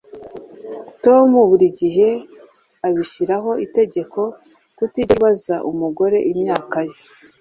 Tom buri gihe abishyiraho itegeko kutigera ubaza umugore imyaka ye